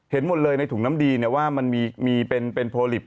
เห็นหมดเลยในถุงน้ำดีว่ามันมีเป็นโพลิป